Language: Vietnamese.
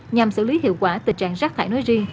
nhằm xử lý hiệu quả tình trạng rác thải nói riêng